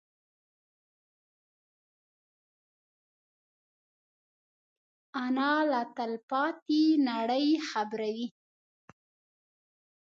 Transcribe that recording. انا له تلپاتې نړۍ خبروي